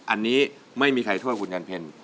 อันนี้ไม่มีใครช่วยคุณยันเพล